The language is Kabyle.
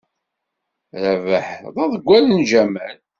Rabeḥ d aḍeggal n Ǧamel.